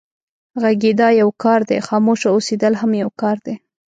غږېدا يو کار دی، خاموشه اوسېدل هم يو کار دی.